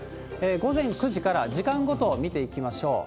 午前９時から時間ごと見ていきましょう。